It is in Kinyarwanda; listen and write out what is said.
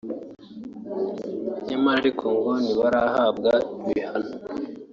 nyamara ariko ngo ntibarahabwa ibihano